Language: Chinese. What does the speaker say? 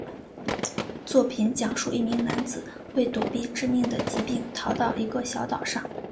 作品讲述一名男子为躲避致命的疾病逃到一个小岛上。